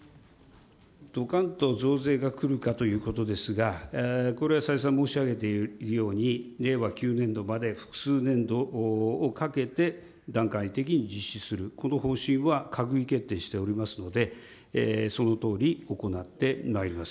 どかんと増税がくるかということですが、これ、再三申し上げているように、令和９年度まで複数年度をかけて段階的に実施する、この方針は閣議決定しておりますので、そのとおり行ってまいります。